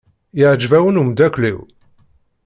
Iɛjeb-awen umeddakel-iw?